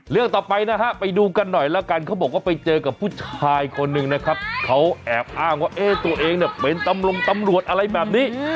เรื่องต่อไปนะฮะไปดูกันหน่อยแล้วกันเขาบอกว่าไปเจอกับผู้ชายคนหนึ่งนะครับเขาแอบอ้างว่าเอ๊ะตัวเองเนี่ยเป็นตำรวจอะไรแบบนี้